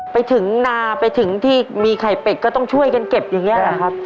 ไปถึงนาไปถึงที่มีไข่เป็ดก็ต้องช่วยกันเก็บอย่างนี้แหละครับ